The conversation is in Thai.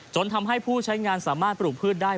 จนทำให้ผู้ใช้งานสามารถปลูกพืชได้